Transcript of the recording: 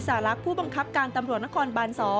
สาระผู้บังคับการตำรวจนครบั่น๒